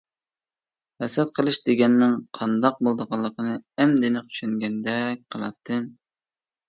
ھەسەت قىلىش دېگەننىڭ قانداق بولىدىغانلىقىنى ئەمدى ئېنىق چۈشەنگەندەك قىلاتتىم.